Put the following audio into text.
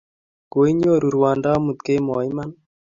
Koinyoru rwondo amut kemboi iman ii?